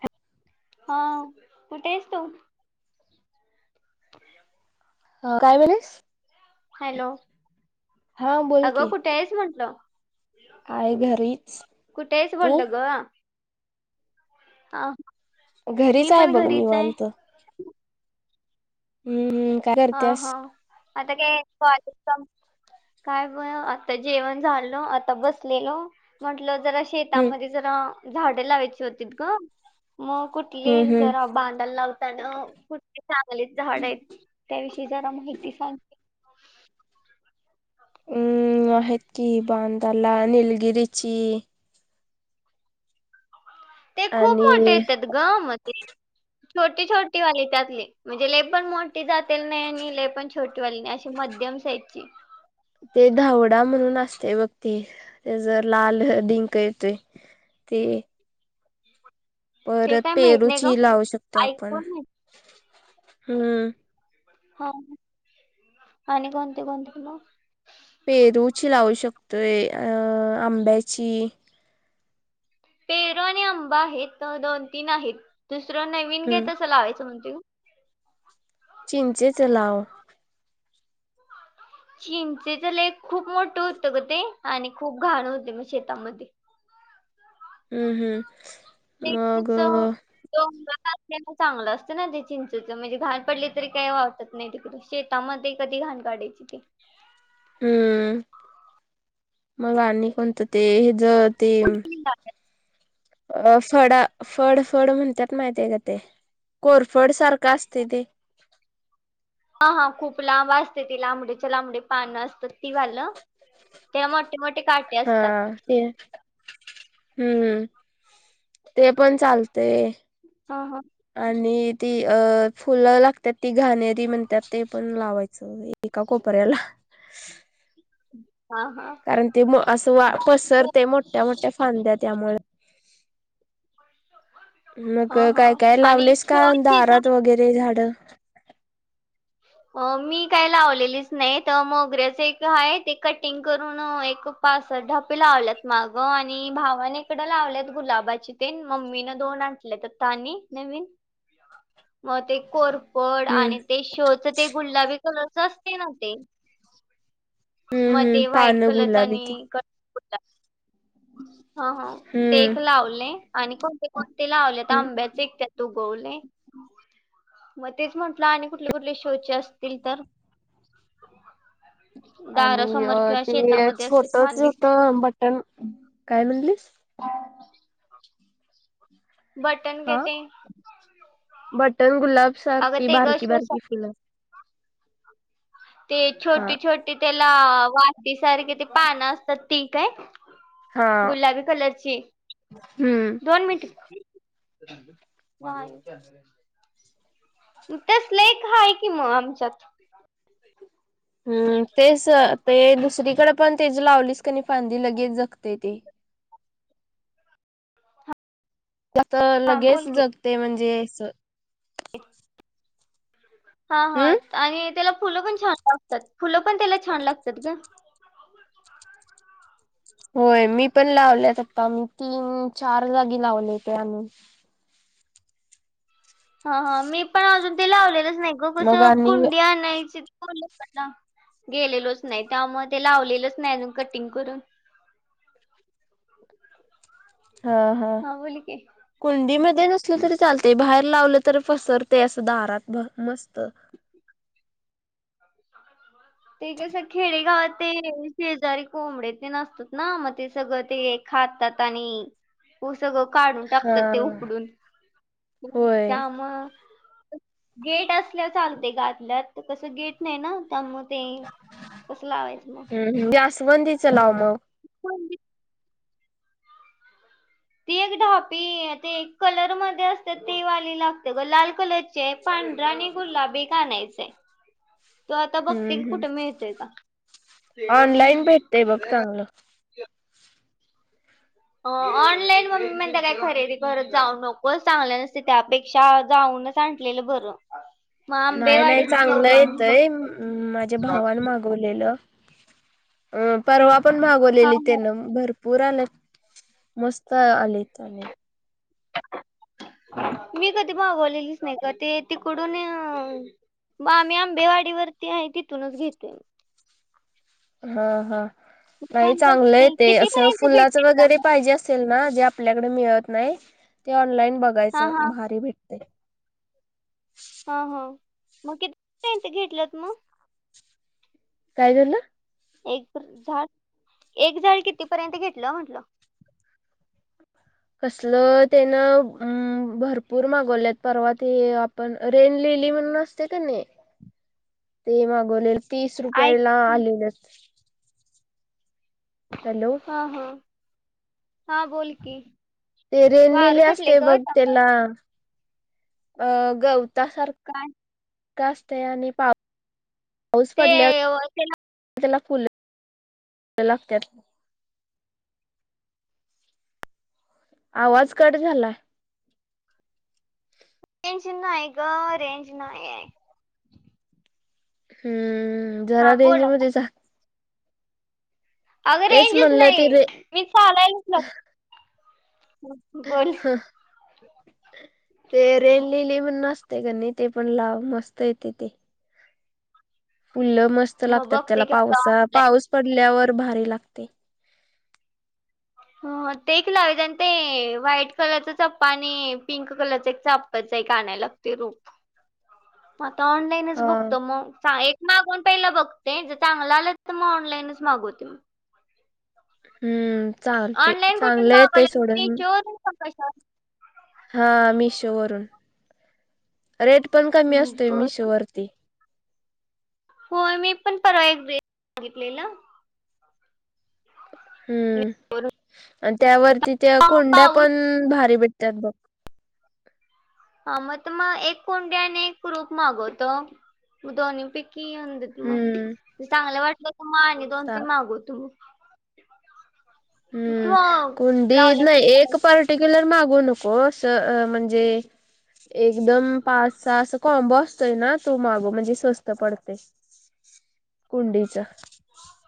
ह हा कुठे आहेस तू? हा काय [unintelligible] हॅलो, हा बोल अगं की कुठे आहेत म्हंटलं? आहे घरीच कुठे आहेस तू म्हंटले ग? अ मी घरीच आहे पण बघ घरीच आहे. निवांत हम्म. काय हा, करत्यास हा. आता काय कॉलेज [unintelligible] काय बर आता जेवण झालं, आता बसलेलो म्हंटलं जरा हम्म शेतामध्ये जरा झाडं लावायची होती ग, मग कु हम्म घेतली हम्म जरा बांधाला लावताना कुठ चांगलीच झाड आहेत. त्याविषयी जरा माहिती सांग. हम्म आहेत की बांदाला निलगिरीची ते खूप मोठे आणि येतात ग, मधी छोटी छोटीवाली त्यातली. म्हणजे लई पण मोठी जातेल नाही आणि लई पण छोटी वाली नाही अशी मध्यम साईजची. ते धावडा म्हणून असते बघ ती त्याज लाल डिंक येतोय ते ते परत काय माहित नाही ग पेरूची लावू शकतोय आपण ऐकून माहित हम्म. हा आणि कोणती, कोणती लावू? पेरूची लावू शकतोय अ आंब्याची पेरू आणि आंबा हे तर दोन तीन आहेत. दुसरं नवीन हम्म कायतर तसं लावायचं म्हणतोय ग. चिंचेच लाव. चिंचेच लई खूप मोठं होतं ग ते आणि खूप घाण होते मग शेतामध्ये. हम्म, हम्म. [unintelligible] मग च दोनदा [unintelligible] त्यांना चांगलं असतं ना ते चिंचेच म्हणजे घाण पडली तरी काही वाटत नाही तिकडं. शेत तामध्ये कधी घाण काढायची ती. हम्म, मग आणि कोणतं ते हेज ते अ फडा फड फड म्हणतात माहितीय आहे का ते? कोरफड सारखं असतंय ते. हा हा खूप लांब असते ती लांबडीच्या लांबडी पानं असतात ती लाल? ते मोठी, मोठी का हा ते हम्म ते पण चालते हा हा आणि ती अ फुलं लागतात ती घाणेरी म्हणतात ते पण लावायचं बाई एका कोपऱ्याल्या. हा, हा. कारण ते मग असं वा खूप- पसरते मोठ्या मोठ्या फांद्या त्यामुळं. मग हा ग हा काय काय आणि लावलेस का शोची दारात झाड वगैरे झाडं? अ मी काय लावलेलीच नाही तर मोगऱ्याच एक आहे. ते कटिंग करून एक पाच सहा ढापी लावल्यात मागं आणि भावाने इकडं लावल्यात गुलाबाची तेन, मम्मीन दोन आणली लेतत पाहणी नवीन मग ते कोरपड हम्म आणि ते श. त ते गुलाबी कलरच असते ना ते. हम्म हम्म मध्ये व्हाईट पानं कलरचा गुलाबी ते आणि क [unintelligible] ह ह ते हम्म एक लावले आणि कोणते कोणते लावलेता हम्म आंब्याचे तू गौलय. मग तेच म्हंटलं आणि कुठले कुठले शोचे असतील तर. आणि दारासमोर अ किंवा ते शेतामध्ये छोट असं छान दिसत छोट बट पण हम्म काय म्हणलीस? बटन ग हा ते बटण गुलाब अगं सारखी ते ग बारकी बारकी शोसाठी फुलं. ते हा छोटी छोटी त्याला वाटीसारखे ते पानं असतात ती काय. हा गुलाबी कलरची हम्म ब दोन मिनट वाय तसलं एक आहे की मग आमच्यात हम्म तेच ते दुसरीकदं पण तेज लावलीस क नाही फांदी लगेच जगते ती. त्यातर हा बोल लगेच की जगते म्हणजे अस. हा हा हम्म आणि त्याला फुलं पण छान लागतात. फुलं पण त्याला छान लागतात ग. होय मी पण लावलेत आता मी तीन चार जागी लावले ते आम्ही. ह ह मी पण अजून ते लावलेलंच नाही ग मग कसं आणि कुंडी आणायची म्हणलं दा गेलेलोच नाही त्यामुळे ते लावलेलच नाही अजून कटिंग करून. [inaudible] हा हा. बोल की. कुंडी मध्ये नसल तरी चालते बाहेर लावलं तरी पसरते असं दारातभर मस्त. ते कस खेडेगावात. ते शेजारी कोंबडे ते नसतात ना मग ते सगळं ते खातात आणि. उ सग काढून. हा टाकतात ते उकडून होय त्या म गेट अस. असल्यावर चालतंय ग आतल्या आत ते कसं गेट नाही ना त्यामुळे ते कसं लावायचं मग? हम्म हम्म जास्वंदीच लाव मग. कुंडीत ती एक ढापी ते एक कलर मधे असते ते वाली लागते ग लाल कलरची चे पांढरा आणि गुलाबी एक आनायचेय. तू आता हम्म बघते की हम्म कुठे मिळतोय का. बला. अ ऑनलाईन मम्मी म्हणते काय खरेदी करत जाऊ नकोच चांगल्या नसते त्यापेक्षा जाऊनच. सांटलेलं बर. नाही नाही चांगलं येतंय मम्म माझ्या हा भावान मागवलेलं अ परवा पण हा भागवलेली त्यान भरपूर आल्या मस्त आले त्यानी. मी कधी मागवलेलीच नाही ग ते तिकडून म आम्ही आंबेवाडीवरती आहे तिथूनच घेतोय. हा हा नाही चांगलंय आहे ते असं कितीपर्यंत फुलाच भेटेल ना वगैरे मग पाहिजे असेल ना जे आप आपल्याकडं मिळत नाही ते ऑनलाईन हा बघायचं हा भारी भेटतयं. हा हा मग किती घेतल्यात मग? काय झालं? एक झाड एक झाड कितीपर्यंत घेतलं म्हंटलं. कसलं त्यानं हम्म. हूम भरपूर मागवलेत परवा तू आपण रेन लिली म्हणून असते का नाही ते मागवलेल तीस ऐक रुपयला आलेलं. हॅलो. हा हा. हा बोल की ते रेनलेली वारं सुटले असतयं ग बघ तेला अ गवतासार काय? काय असतयं आणि पाऊस ते पडल्या त्याला त्याला फुल लागत्यात. आवाज कट झाला. अगं नाहीय ग रेंज नाही आहे. हम्म जरा हा रेंज बोल आता मध्ये जा. अगं तेच रेंजच म्हणलं ते नाही रे मी चालायलाचं ला हं हं. ते रेनलेली म्हणून असतयं कनी ते पण लाव मस्त येतेय ते. फुलं मस्त मग लागत्यात बघते त्याला की आता पावसा ऑनलाईन पाऊस पडल्यावर भारी लागतयं. हो ते एक लावायचयं आण ते व्हाईट कलरचा चाप आणि पिंक कलरचं एक चाप फ्याचं एक आणाय लागतयं रोप म आता ऑन लाईनचं हा बघतो मग एक मागवून पहिला बघते जर चांगलं आलं तर मग ऑनलाईनच मागवते मग. हम्म चाल ऑनलाईन कुठून मागवलेल मेशो वरून का कशावरून? हा मिशोवरून रेट पण कमी असतोय बर मिशोवर. होय मी पण परवा एक ड्रेस बगितलेला. हम्म मिशोवरून. आणि त्यावरती त्या हा कुंड्या पाऊस पण भारी भेटत्यात बघ. हा मत म एक कुंडी आणि एक रोप मागवतो म दोन्ही पैकी अ न मग हम्म जर चांगले वाटलं त मग आणि दोन चा तीन मागवतो मग. तू हम्म कुंडी लावल्या नाही एक पार्ट रेग्युलर मागू नकोस अ अ म्हणजे एकदम पाच सहा अस कॉम्बो असतोय ना तो मागव म्हणजे स्वस्त पडतयं. [inaudible] कुंडीचं.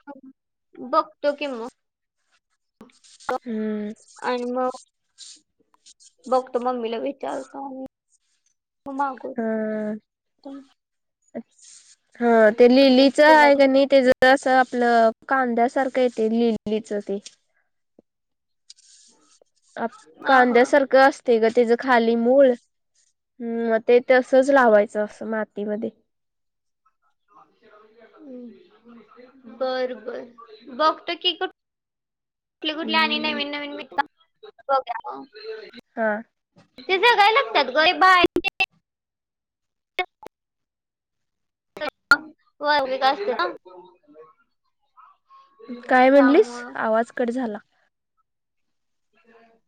हम बघतो कि म. हम्म. आणि मग बघ तो मम्मीला विचारतो आणि मग हा मागवतो. हा ते आपले लिलीचं आहे फुलाचे का नाई त्याजं असं आपलं कांद्यासारखं येतयं लिलीचं ते. आप हा हा कांद्यासारखं अस ते ग त्याच खाली मूळ हं मग ते तसच लावायचं असं मातीमध्ये. अं अं बर बर बघतो की कु कुठली कुठली आणि हम्म. नवीन नवीन मिता बघूया. हा. ते सगळं लागत्यात गय बाय वावरित असते ना. काय म्हणलीस त्यामुळं आवाज कट झाला.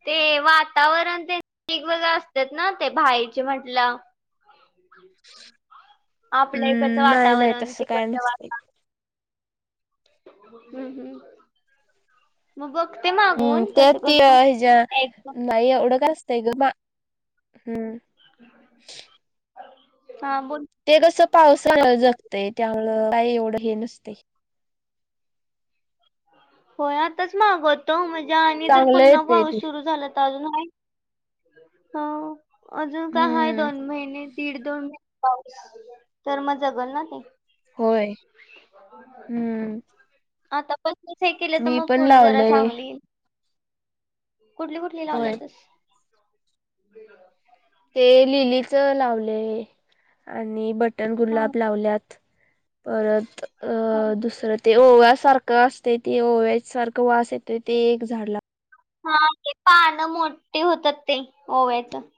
ते वातावरण ते वेगवेगळ असतात ना ते भाईचे म्हटलं. आपल्याइकडचं हम्म नाही नाही वातावरण तसं काय तिकडच वाताव नसतंय. हम्म हम्म. मग बघते मा हम्म त्या ते अ हेज्या नाही येवड का असतयं गं बा हं. हा बोल. ते कसं पावसावर जगतय त्यामुळं काय एवढं हे नसतयं. होय आताच मागवतो म्हणजे आणि जर चांगलं पुन्हा येतंय ते पाऊस सुरू झाला अजून आहे हो अजून काय हाय हम्म दोन महिने. तिकड दोन महिने पाऊस तर मग जगल ना ते. होय हम्म. आतापासनचं हे केलं तर मी मग पण पुढे जरा लावलंय चांगली ईल. कुठली कुठली होय. लावल्यातस? ते लिलीच लावलयं आणि बटन हा गुलाब लावल्यात. परत अ हा दुसर ओव्यासारखं असतय ते ओव्या सारखं वास येतोय ते एक झाड ला हा ते पानं मोठी होतात ते ओव्याचं.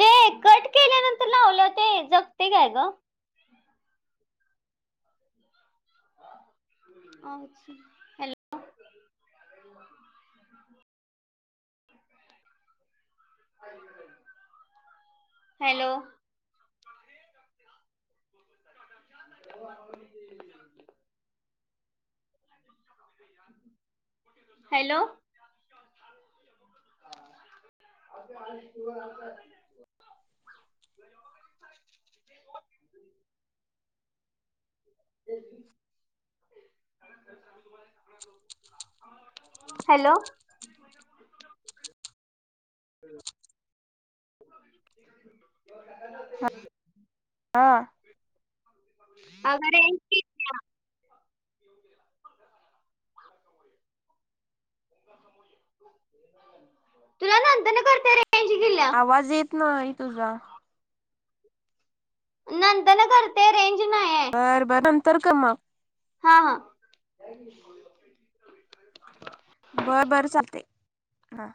ते कट केल्यानंतर लावल्यावर ते जगतयं काय ग? आमची हॅलो. [unintelligible] हॅलो. [unintelligible] [unintelligible] हॅलो. [unintelligible] [unintelligible] हा. अग रेंज ती तुला नंतरला करते रेंज गेलीया. आवाज येत नाही तुझा. नंतरन करते रेंज नाहीय. बर बर नंतर कर मग. हा हा. बरं बर चालतय हा.